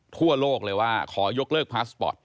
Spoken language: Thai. ทั่วโลกเลยว่าขอยกเลิกพาสปอร์ต